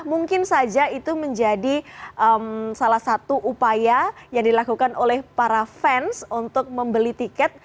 mungkin saja itu menjadi salah satu upaya yang dilakukan oleh para fans untuk membeli tiket